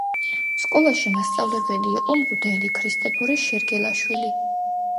სკოლაში მასწავლებელი იყო მღვდელი ქრისტეფორე შერგელაშვილი.